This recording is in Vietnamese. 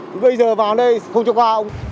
thì bây giờ vào đây không cho qua